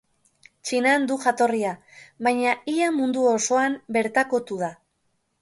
Txinan du jatorria, baina ia mundu osoan bertakotu da.